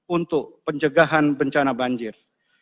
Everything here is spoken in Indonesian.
untuk pencegahan bencana banjir